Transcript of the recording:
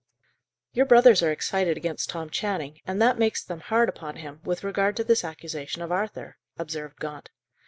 "Your brothers are excited against Tom Channing, and that makes them hard upon him, with regard to this accusation of Arthur," observed Gaunt.